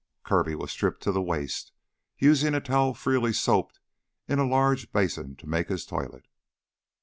Kirby was stripped to the waist, using a towel freely sopped in a large basin to make his toilet.